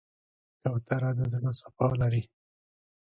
کوتره د زړه صفا لري.